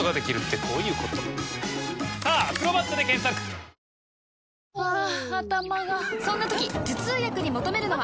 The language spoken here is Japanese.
三菱電機ハァ頭がそんな時頭痛薬に求めるのは？